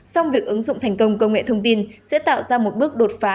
song việc ứng dụng thành công công nghệ thông tin sẽ tạo ra một bước đột phá